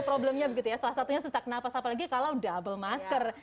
problemnya begitu ya salah satunya sesak nafas apalagi kalau double masker